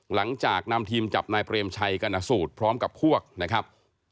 หลังจากนำทีมจับนายเปรมชัยกรณสูตรพร้อมกับพวกนะครับ